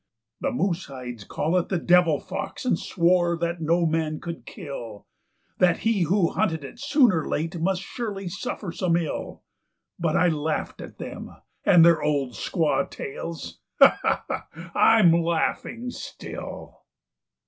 "The Moose hides called it the devil fox, and swore that no man could kill; That he who hunted it, soon or late, must surely suffer some ill; But I laughed at them and their old squaw tales. Ha! Ha! I'm laughing still.